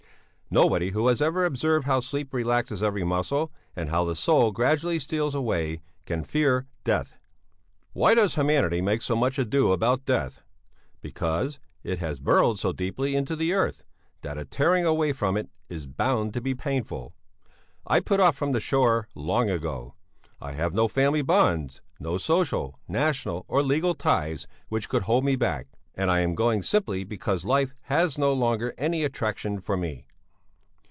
Nobody who has ever observed how sleep relaxes every muscle, and how the soul gradually steals away, can fear death. "'Why does humanity make so much ado about death? Because it has burrowed so deeply into the earth, that a tearing away from it is bound to be painful. I put off from the shore long ago; I have no family bonds, no social, national, or legal ties which could hold me back, and I'm going simply because life has no longer any attraction for me.